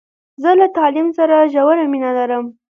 زه له تعلیم سره ژوره مینه لرم.